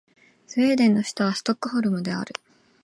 スウェーデンの首都はストックホルムである